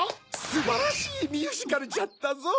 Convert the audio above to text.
すばらしいミュージカルじゃったぞ！